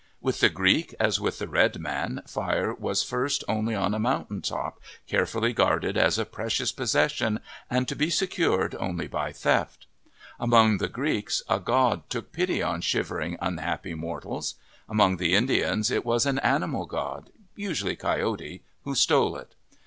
With the Greek, as with the red man, fire was first only on a mountain top, carefully guarded as a precious possession, and to be secured only by theft. Among the Greeks, a god took pity on shivering, unhappy mortals. Among the Indians it was an animal god, usually Coyote, who stole it.